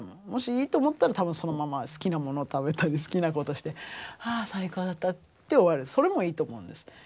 もしいいと思ったら多分そのまま好きなものを食べたり好きなことしてああ最高だったって終わるそれもいいと思うんです。